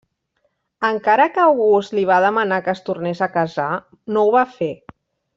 Encara que August li va demanar que es tornés a casar, no ho va fer.